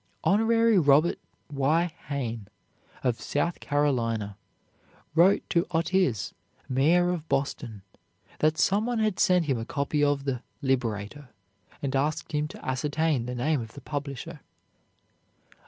Hon. Robert Y. Hayne, of South Carolina, wrote to Otis, mayor of Boston, that some one had sent him a copy of the "Liberator," and asked him to ascertain the name of the publisher.